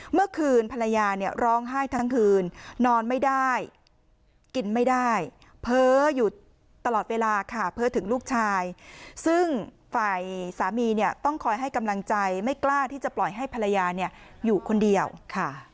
ภรรยาเนี่ยร้องไห้ทั้งคืนนอนไม่ได้กินไม่ได้เพ้ออยู่ตลอดเวลาค่ะเพ้อถึงลูกชายซึ่งฝ่ายสามีเนี่ยต้องคอยให้กำลังใจไม่กล้าที่จะปล่อยให้ภรรยาเนี่ยอยู่คนเดียวค่ะ